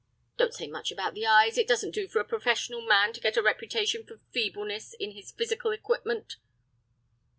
"Don't say much about the eyes. It doesn't do for a professional man to get a reputation for feebleness in his physical equipment."